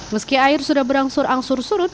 meski air sudah berangsur angsur surut